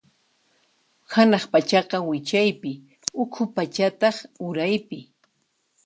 Hanaq pachaqa wichaypi, ukhu pachataq uraypi.